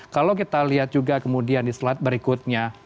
kalau kita lihat juga kemudian di slide berikutnya